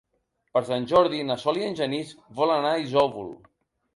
Per Sant Jordi na Sol i en Genís volen anar a Isòvol.